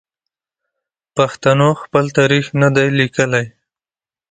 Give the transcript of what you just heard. پښتنو خپل تاریخ نه دی لیکلی.